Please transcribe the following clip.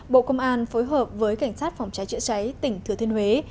bộ công an phối hợp với cảnh sát phòng cháy chữa cháy tỉnh thừa thiên huế